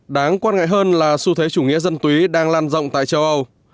đáng quan ngại hơn là xu thế chủ nghĩa dân túy đang lan rộng tại châu âu